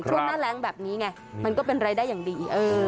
ช่วงหน้าแรงแบบนี้ไงมันก็เป็นรายได้อย่างดี